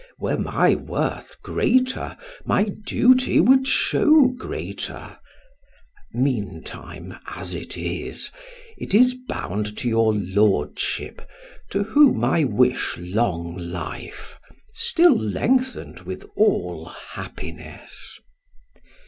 Were my worth greater, my duty would show greater; meantime, as it is, it is bound to your lordship, to whom I wish long life, still lengthened with all happiness.